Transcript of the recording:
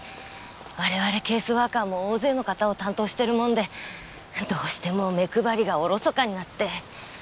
我々ケースワーカーも大勢の方を担当してるもんでどうしても目配りがおろそかになって。